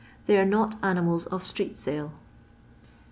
They are not animals of street sale.